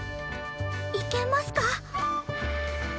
いけますか？